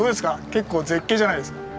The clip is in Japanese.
結構絶景じゃないですか。